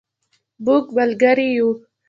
مونږ ملګري یو